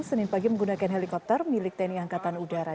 senin pagi menggunakan helikopter milik tni angkatan udara